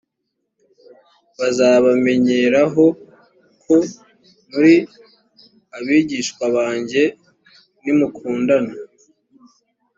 bazabamenyeraho ko muri abigishwa banjye nimukundana